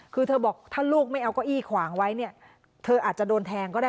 คือเธอบอกถ้าลูกไม่เอาเก้าอี้ขวางไว้เนี่ยเธออาจจะโดนแทงก็ได้